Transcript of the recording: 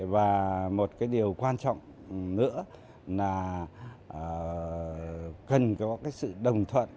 và một cái điều quan trọng nữa là cần có cái sự đồng thuận